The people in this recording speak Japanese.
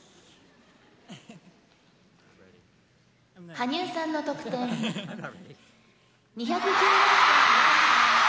「羽生さんの得点２１６．０７」。